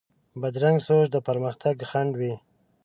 بدرنګه سوچ د پرمختګ خنډ دی